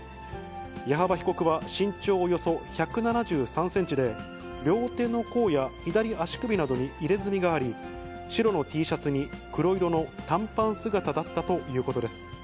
矢幅被告は身長およそ１７３センチで、両手の甲や左足首などに入れ墨があり、白のＴシャツに黒色の短パン姿だったということです。